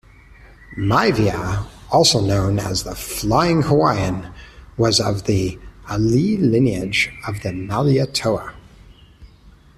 Maivia, also known as the Flying Hawaiian, was of the Alii lineage of Malietoa.